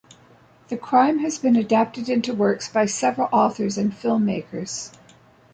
The crime has been adapted into works by several authors and filmmakers.